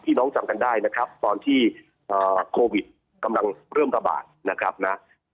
น้องจำกันได้นะครับตอนที่โควิดกำลังเริ่มระบาดนะครับนะ